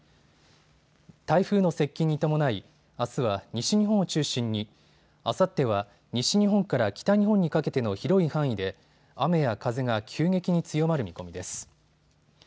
台風の接近に伴いあすは西日本を中心にあさっては西日本から北日本にかけての広い範囲で雨や風が急激に強まる見込みです。